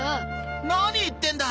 何言ってんだ！